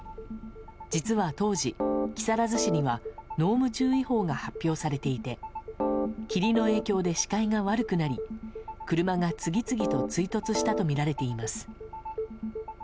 実は当時、木更津市には濃霧注意報が発表されていて霧の影響で視界が悪くなり車が次々と追突したとみられています。